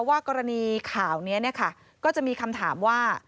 ว่ากรณีข่าวนี้ก็จะมีคำถามว่า